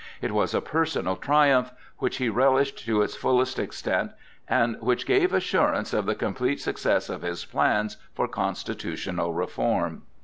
It was a personal triumph, which he relished to its fullest extent, and which gave assurance of the complete success of his plans for constitutional reform.